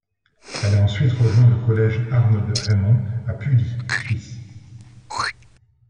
Elle a ensuite rejoint le Collège Arnold Reymond à Pully, Suisse.